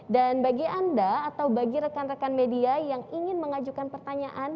dan bagi anda atau bagi rekan rekan media yang ingin mengajukan pertanyaan